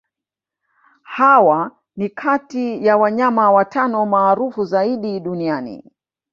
Hawa ni kati ya wanyama watano maarufu zaidi duniani